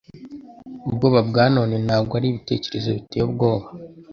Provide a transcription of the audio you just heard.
Ubwoba bwa none ntabwo ari ibitekerezo biteye ubwoba.”